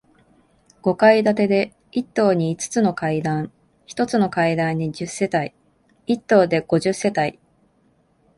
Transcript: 五階建てで、一棟に五つの階段、一つの階段に十世帯、一棟で五十世帯。